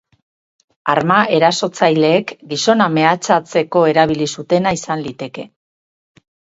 Arma erasotzaileek gizona mehatxatzeko erabili zutena izan liteke.